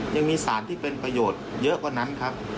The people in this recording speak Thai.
ยังมีสารที่เป็นประโยชน์เยอะกว่านั้นครับ